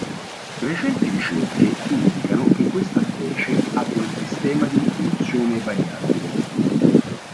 Recenti ricerche indicano che questa specie abbia un sistema di riproduzione variabile.